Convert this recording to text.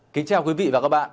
kính chào quý vị và các bạn